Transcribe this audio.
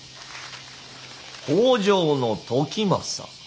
北条時政。